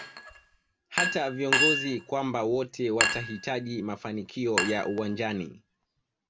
hata viongozi kwamba wote watahitaji mafanikio ya uwanjani